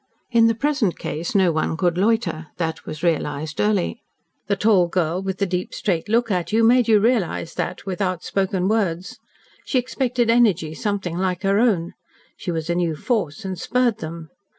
In the present case no one could loiter. That was realised early. The tall girl, with the deep straight look at you, made you realise that without spoken words. She expected energy something like her own. She was a new force and spurred them.